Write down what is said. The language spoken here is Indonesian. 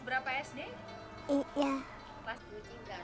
belum deskripsi kita memiliki profit kiang kan